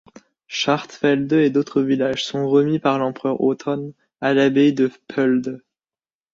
Schartfelde et d'autres villages sont remis par l'empereur Otton à l'abbaye de Pöhlde.